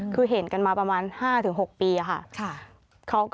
คือเห็นกันมาประมาณห้าถึงหกปีค่ะ